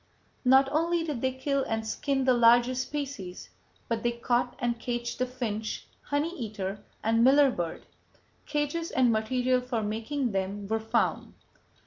"Not only did they kill and skin the larger species but they caught and caged the finch, honey eater, and miller bird. Cages and material for making them were found."